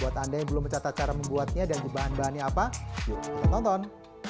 buat anda yang belum mencatat cara membuatnya dan bahan bahannya apa yuk kita tonton